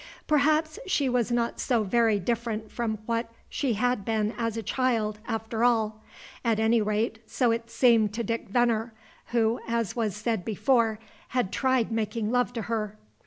Perhaps she was not so very different from what she had been as a child, after all. At any rate, so it seemed to Dick Venner, who, as was said before, had tried making love to her.